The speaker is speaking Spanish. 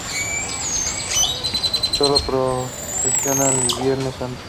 Solo Procesiona el Viernes Santo.